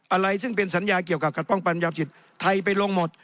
อะไรซึ่งเป็นสัญญาเกี่ยวกับขัดป้องปัญญาจิตไทยไปลงหมด